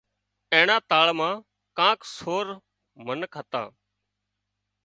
اينڻا تۯ مان ڪانڪ سور منک هتان